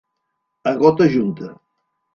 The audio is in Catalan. A gota junta.